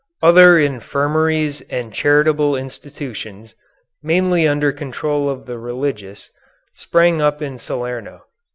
Other infirmaries and charitable institutions, mainly under control of the religious, sprang up in Salerno.